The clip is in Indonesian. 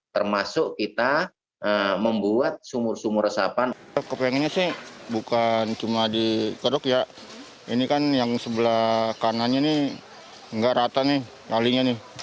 termasuk kita membuat sumur sumur resapan